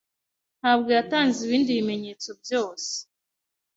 ntabwo yatanze ibindi bimenyetso byose